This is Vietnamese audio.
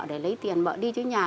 để lấy tiền mợ đi cho nhà